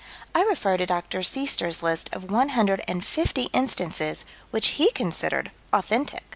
I refer to Dr. Sestier's list of one hundred and fifty instances, which he considered authentic.